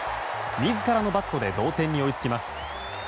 自らのバットで同点に追いつきます。